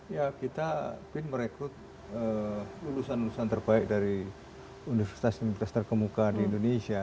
ya kita bin merekrut lulusan lulusan terbaik dari universitas universitas terkemuka di indonesia